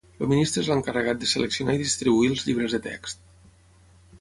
El ministre és l'encarregat de seleccionar i distribuir els llibres de text.